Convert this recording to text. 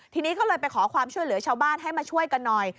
ทีนี้ก็เลยไปขอความช่วยเหลือชาวบ้านให้มาช่วยกันหน่อย